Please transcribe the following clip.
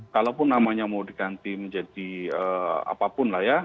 kalaupun namanya mau diganti menjadi apapun lah ya